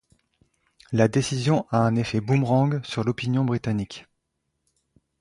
La décision a un effet boomerang sur l’opinion britannique.